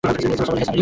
মূসা বলল, হে সামিরী!